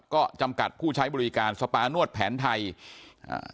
ก็จำกัดผู้ใช้บริการสปานวดแผนไทยอ่า